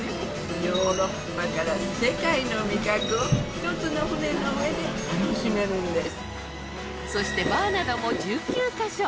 ヨーロッパから世界の味覚を一つの船の上で楽しめるんです